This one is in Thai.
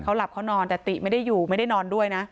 เขาหลับเขานอนแต่ติไม่ได้อยู่ไม่ได้นอนด้วยนะ